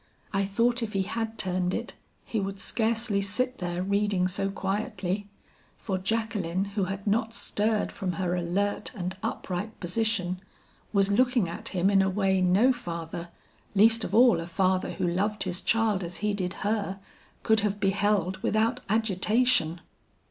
"I thought if he had turned it, he would scarcely sit there reading so quietly; for Jacqueline who had not stirred from her alert and upright position, was looking at him in a way no father, least of all a father who loved his child as he did her, could have beheld without agitation.